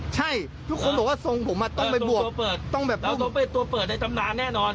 ใช่ทุกคนบอกว่าทรงผมอ่ะต้องเป็นตัวเปิดต้องแบบเราต้องเป็นตัวเปิดในจำนาญแน่นอน